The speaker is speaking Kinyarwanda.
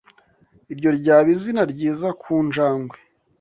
Iryo ryaba izina ryiza ku njangwe.